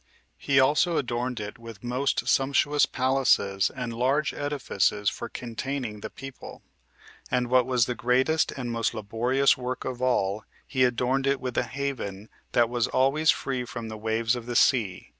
He also adorned it with most sumptuous palaces and large edifices for containing the people; and what was the greatest and most laborious work of all, he adorned it with a haven, that was always free from the waves of the sea.